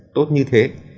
tốt như thế